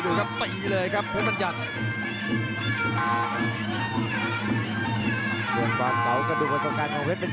อันวัดเบียดเข้ามาอันวัดโดนชวนแรกแล้ววางแค่ขวาแล้วเสียบด้วยเขาซ้าย